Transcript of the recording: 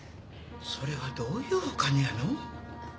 それはどういうお金やの？